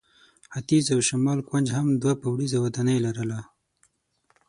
ختیځ او شمال کونج هم دوه پوړیزه ودانۍ لرله.